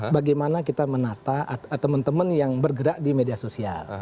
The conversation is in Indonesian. bagaimana kita menata teman teman yang bergerak di media sosial